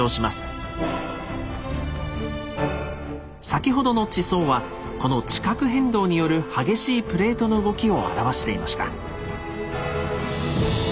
先ほどの地層はこの地殻変動による激しいプレートの動きを表していました。